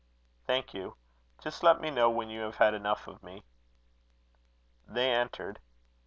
"Thank you. Just let me know when you have had enough of me." They entered.